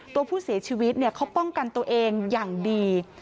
ตัวผู้เสียชีวิตเขาป้องกันตัวเองอย่างดี